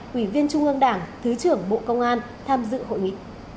quỷ viên trung ương đảng thứ trưởng bộ công an tham dự hội nghị